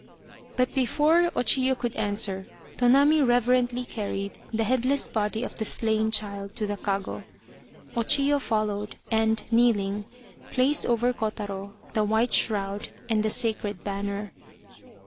But before O Chiyo could answer, Tonami reverently carried the headless body of the slain child to the kago. O Chiyo followed, and kneeling, placed over Kotaro the white shroud and the sacred banner.